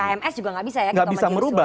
kms juga tidak bisa ya